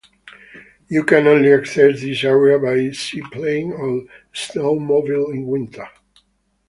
You can only access this area by seaplane or snowmobile in winter.